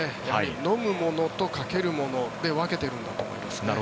飲むものとかけるものを分けているんだと思います。